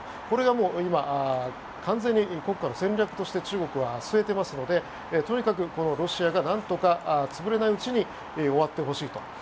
これがもう今、完全に国家の戦略として中国は据えていますのでとにかくロシアがなんとか潰れないうちに終わってほしいと。